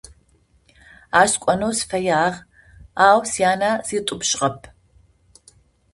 Ащ сыкӀонэу сыфэягъ, ау сянэ ситӀупщыгъэп.